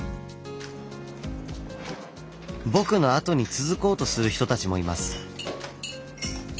僕のあとに続こうとする人たちもいます。